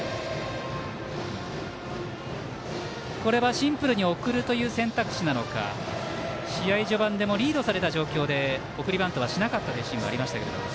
シンプルに送るという選択肢なのか試合序盤でもリードされた状況で送りバントはしなかったシーンもありましたけど。